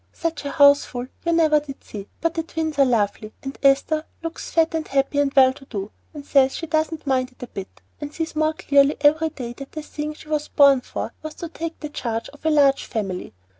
Such a houseful you never did see; but the twins are lovely, and Esther looks very fat and happy and well to do, and says she doesn't mind it a bit, and sees more clearly every day that the thing she was born for was to take the charge of a large family.